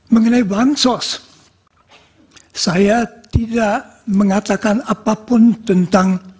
mengenai wang sos saya tidak mengatakan apapun tentang